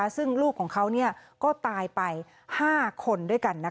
ซึ่งลูกของเขาก็ตายไป๕คนด้วยกัน